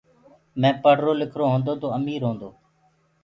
مي پڙهرو لکرو هونٚدو تو امير هونٚدو